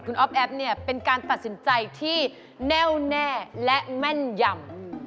คุณอ๊อฟแอฟเนี่ยเป็นการตัดสินใจที่แน่วแน่และแม่นยำ